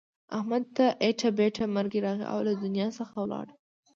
احمد ته ایټه بیټه مرگی راغی او له دنیا څخه ولاړو.